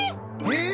え！